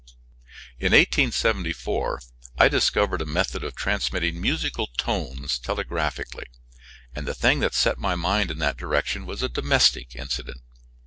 In 1874 I discovered a method of transmitting musical tones telegraphically, and the thing that set my mind in that direction was a domestic incident.